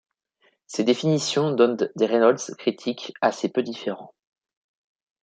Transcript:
Ces définitions donnent des Reynolds critiques assez peu différents.